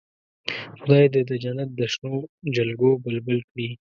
خدای دې د جنت د شنو جلګو بلبل کړي.